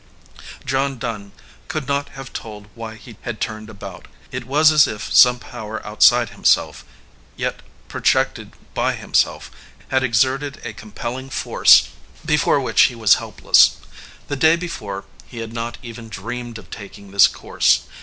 John Dunn could not have told why he had turned about. It was as if some power outside himself, yet projected by himself, had exerted a compelling force before which he was helpless. The day before he had not even dreamed of taking this course.